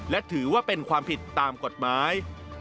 และถือว่าเป็นความผิดตามกฎหมาย